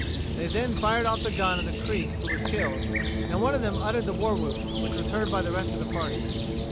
They then fired off the gun of the Creek who was killed, and one of them uttered the war whoop which was heard by the rest of the party.